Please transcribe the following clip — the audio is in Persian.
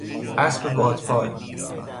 اسب باد پای